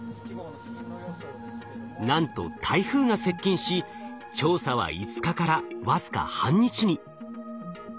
なんと台風が接近し調査は５日から僅か半日に。